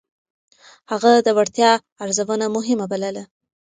هغه د وړتيا ارزونه مهمه بلله.